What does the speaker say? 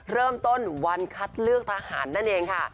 เริ่มต้นวันคัดเลือกทหารนั่นเองค่ะ